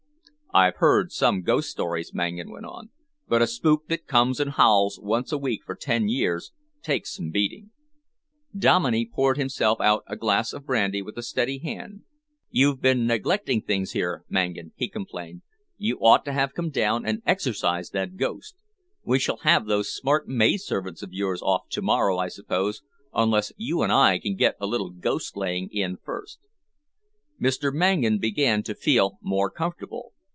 "I've heard some ghost stories," Mangan went on, "but a spook that comes and howls once a week for ten years takes some beating." Dominey poured himself out a glass of brandy with a steady hand. "You've been neglecting things here, Mangan," he complained. "You ought to have come down and exorcised that ghost. We shall have those smart maidservants of yours off to morrow, I suppose, unless you and I can get a little ghost laying in first." Mr. Mangan began to feel more comfortable.